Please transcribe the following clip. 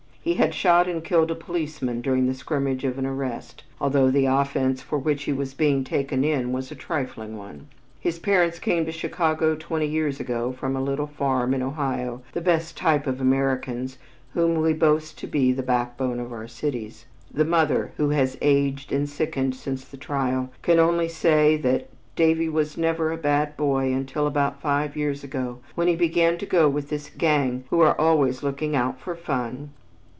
He had shot and killed a policeman during the scrimmage of an arrest, although the offense for which he was being "taken in" was a trifling one. His parents came to Chicago twenty years ago from a little farm in Ohio, the best type of Americans, whom we boast to be the backbone of our cities. The mother, who has aged and sickened since the trial, can only say that "Davie was never a bad boy until about five years ago when he began to go with this gang who are always looking out for fun."